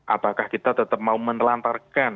apakah kita tetap mau menelantarkan